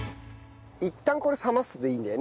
いったんこれ冷ますでいいんだよね？